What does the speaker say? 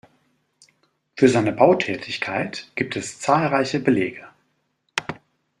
Für seine Bautätigkeit gibt es zahlreiche Belege.